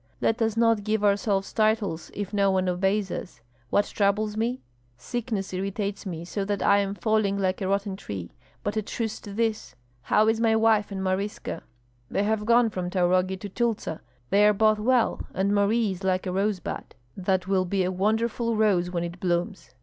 "Let us not give ourselves titles if no one obeys us. What troubles me? Sickness irritates me so that I am falling like a rotten tree. But a truce to this! How is my wife and Maryska?" "They have gone from Taurogi to Tyltsa. They are both well, and Marie is like a rosebud; that will be a wonderful rose when it blooms.